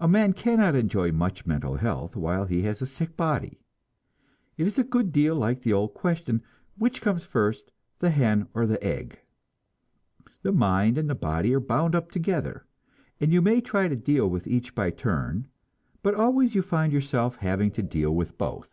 A man cannot enjoy much mental health while he has a sick body. It is a good deal like the old question, Which comes first, the hen or the egg? The mind and the body are bound up together, and you may try to deal with each by turn, but always you find yourself having to deal with both.